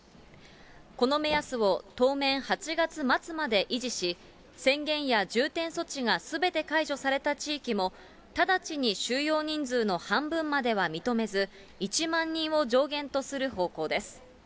この目安を、当面、８月末まで維持し、宣言や重点措置がすべて解除された地域も、直ちに収容人数の半分までは認めず、１万人を上限とする方向です。